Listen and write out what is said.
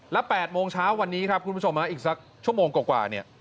และ๘โมงเช้าวันนี้ครับคุณผู้ชมอีกสักชั่วโมงกว่าเนี่ย